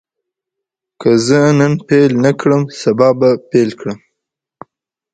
که زه نن پیل نه کړم، سبا به پیل کړم.